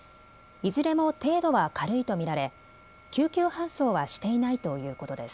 いずれも程度は軽いと見られ救急搬送はしていないということです。